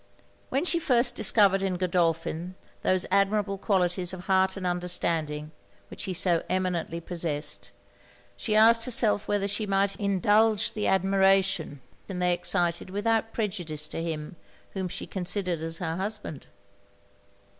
When she first discovered in Godolphin those admirable qualities of heart and understanding which he so eminently possessed, she asked herself whether she might indulge the admiration they excited without prejudice to him whom she considered as her husband?